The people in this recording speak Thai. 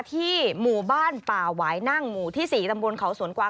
ที่หมู่บ้านป่าหวายนั่งหมู่ที่๔ตำบลเขาสวนกวาง